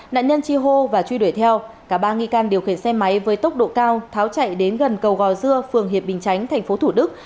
nạn nhân chi hô và truy đuổi theo cả ba nghi can điều khiển xe máy với tốc độ cao tháo chạy đến gần cầu gò dưa phường hiệp bình chánh tp thủ đức